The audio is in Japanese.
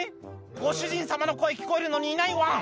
ご主人様の声聞こえるのにいないワン」